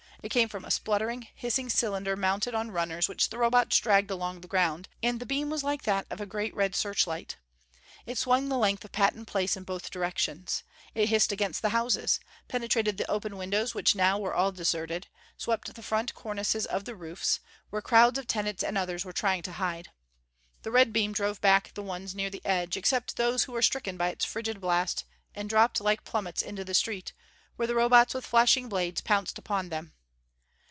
It came from a spluttering, hissing cylinder mounted on runners which the Robots dragged along the ground, and the beam was like that of a great red searchlight. It swung the length of Patton Place in both directions. It hissed against the houses; penetrated the open windows which now were all deserted; swept the front cornices of the roofs, where crowds of tenants and others were trying to hide. The red beam drove back the ones near the edge, except those who were stricken by its frigid blast and dropped like plummets into the street, where the Robots with flashing blades pounced upon them.